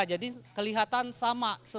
jadi kelihatan sama